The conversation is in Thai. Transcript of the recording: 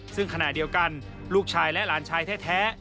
ซึ่งขณะเดียวกันลูกชายและหลานชายแท้